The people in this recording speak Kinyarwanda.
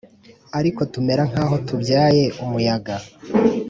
ariko tumera nk’aho tubyaye umuyaga: